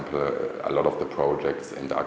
nó là một vấn đề cộng đồng